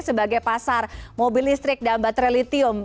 sebagai pasar mobil listrik dan baterai litium